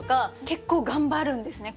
結構頑張るんですね